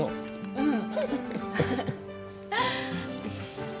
うん。